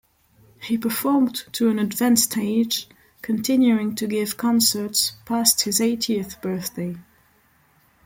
He performed to an advanced age, continuing to give concerts past his eightieth birthday.